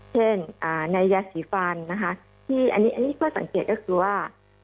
เช่นในยาสีฟันนะคะที่จะสังเกตก็คิดว่า